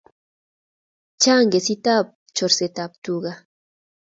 Chang kesit ab chorest ab tuka